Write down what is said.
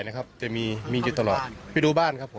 น้ำมันอยู่หลังที่ไหนครับ